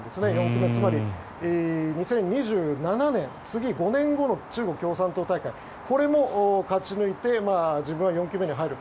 ４期目つまり２０２７年次、５年後の中国共産党大会これも勝ち抜いて自分は４期目に入る。